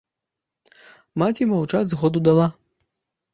Маці маўчаць згоду дала.